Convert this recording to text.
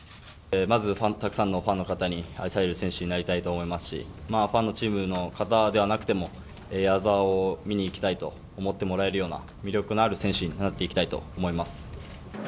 まず、たくさんのファンの方に愛される選手になりたいと思いますしファンのチームの方ではなくても、矢澤を見に行きたいと思ってもらえるような魅力のある選手になっていきたいと思います。